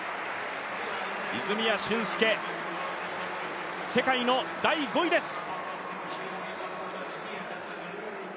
泉谷駿介、世界の第５位です。